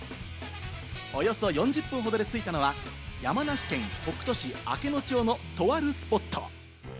およそ４０分ほどで着いたのは、山梨県北杜市明野町のとあるスポット。